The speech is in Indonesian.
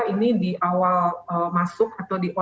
ini di awal masuk atau di